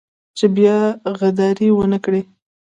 چې بيا غداري ونه کړي.